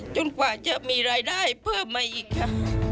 กว่าจะมีรายได้เพิ่มมาอีกค่ะ